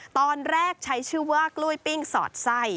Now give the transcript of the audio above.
ตอนแรกใช้ชื่อว่ากล้วยปิ้งสอดไส้